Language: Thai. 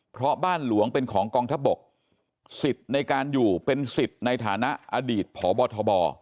เพราะบ้านหลวงเป็นของกองทัพบกสิทธิ์ในการอยู่เป็นสิทธิ์ในฐานะอดีตพบทบ